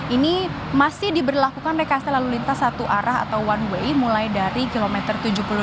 ini masih diberlakukan rekasi lalu lintas satu arah atau one way mulai dari kilometer tujuh puluh lima